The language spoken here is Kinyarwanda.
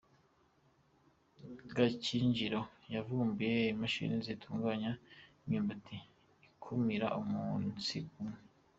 Gakinjiro Yavumbuye imashini zitunganya imyumbati ikumira umunsi umwe